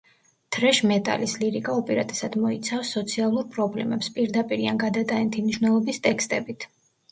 თრეშ მეტალის ლირიკა უპირატესად მოიცავს სოციალურ პრობლემებს, პირდაპირი ან გადატანითი მნიშვნელობის ტექსტებით.